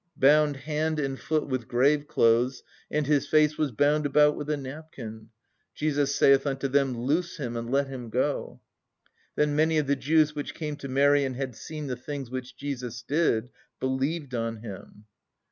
"Bound hand and foot with graveclothes; and his face was bound about with a napkin. Jesus saith unto them, Loose him and let him go. "Then many of the Jews which came to Mary and had seen the things which Jesus did believed on Him."